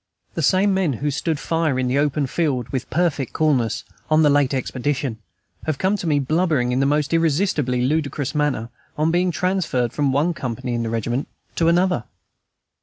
The same men who stood fire in open field with perfect coolness, on the late expedition, have come to me blubbering in the most irresistibly ludicrous manner on being transferred from one company in the regiment to another.